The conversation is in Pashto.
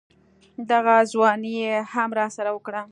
دغه ځواني يې هم راسره وکړه.